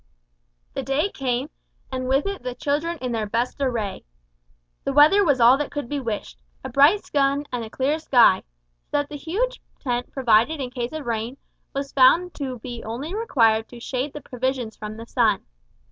The day came, and with it the children in their best array. The weather was all that could be wished a bright sun and a clear sky, so that the huge tent provided in case of rain, was found to be only required to shade the provisions from the sun.